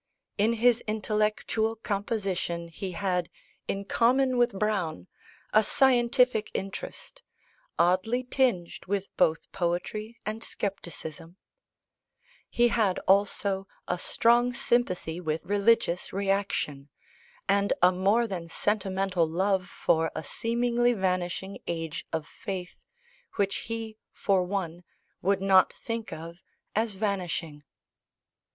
In his intellectual composition he had, in common with Browne, a scientific interest, oddly tinged with both poetry and scepticism: he had also a strong sympathy with religious reaction, and a more than sentimental love for a seemingly vanishing age of faith, which he, for one, would not think of as vanishing.